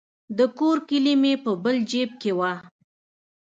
د کور کیلي مې په بل جیب کې وه.